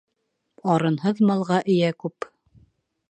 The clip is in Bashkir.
Арынһыҙ малға эйә күп.